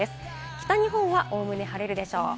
北日本は概ね、晴れるでしょう。